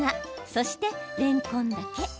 そして、れんこんだけ。